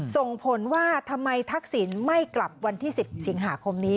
ส่งผลว่าทำไมทักษิณไม่กลับวันที่๑๐สิงหาคมนี้